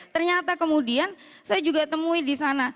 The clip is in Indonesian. ternyata kemudian saya juga temui di sana